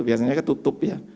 biasanya ketutup ya